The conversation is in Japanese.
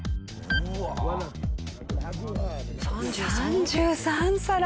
３３皿！